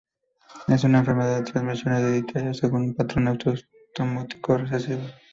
Es una enfermedad de transmisión hereditaria según un patrón autosómico recesivo.